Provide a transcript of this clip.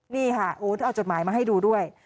นี่ค่ะโอ๊ตเอาจดหมายมาให้ดูด้วย